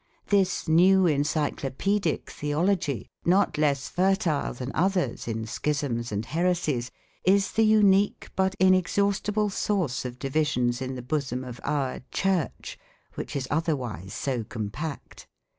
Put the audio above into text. This new encyclopædic theology, not less fertile than others in schisms and heresies, is the unique but inexhaustible source of divisions in the bosom of our Church which is otherwise so compact.